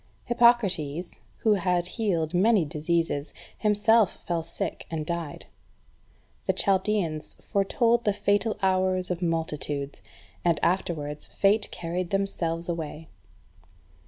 3. Hippocrates, who had healed many diseases, himself fell sick, and died. The Chaldeans foretold the fatal hours of multitudes, and afterwards fate carried themselves away.